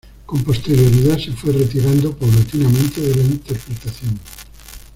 Con posterioridad se fue retirando paulatinamente de la interpretación.